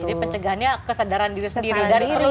jadi pencegahannya kesadaran diri sendiri